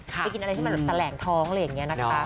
ไปกินอะไรที่มันแสลงท้องเลยเนี่ยนะคะ